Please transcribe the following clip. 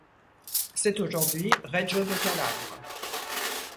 C'est aujourd’hui Reggio de Calabre.